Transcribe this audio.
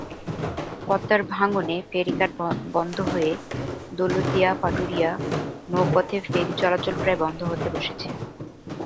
পদ্মার ভাঙনে ফেরিঘাট বন্ধ হয়ে দৌলতদিয়া-পাটুরিয়া নৌপথে ফেরি চলাচল প্রায় বন্ধ হতে বসেছে।